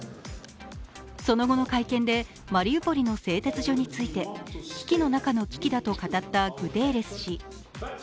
その後の会見でマリウポリの製鉄所について、危機の中の危機だと語ったグテーレス氏。